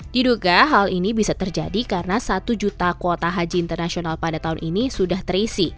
diduga hal ini bisa terjadi karena satu juta kuota haji internasional pada tahun ini sudah terisi